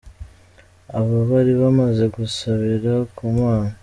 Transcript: Aha bari bamaze kumusabira ku Mana.